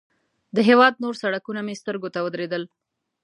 د هېواد نور سړکونه مې سترګو ته ودرېدل.